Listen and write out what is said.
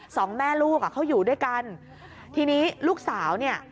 สองแม่ลูกอ่ะเขาอยู่ด้วยกันทีนี้ลูกสาวเนี่ย